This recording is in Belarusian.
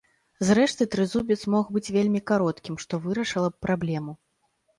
Зрэшты, трызубец мог быць вельмі кароткім, што вырашыла б праблему.